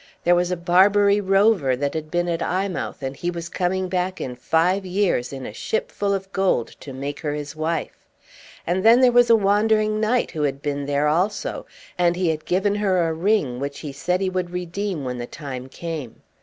There was a Barbary rover that had been at Eyemouth, and he was coming back in five years in a ship full of gold to make her his wife; and then there was a wandering knight who had been there also, and he had given her a ring which he said he would redeem when the time came.